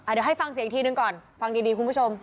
เดี๋ยวให้ฟังเสียงอีกทีหนึ่งก่อนฟังดีคุณผู้ชม